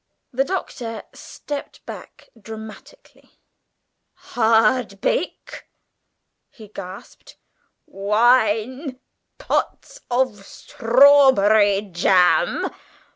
The Doctor stepped back dramatically. "Hardbake!" he gasped; "wine, pots of strawberry jam!